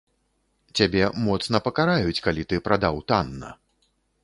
Цябе моцна пакараюць, калі ты прадаў танна.